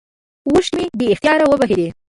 اوښکې مې بې اختياره وبهېدې.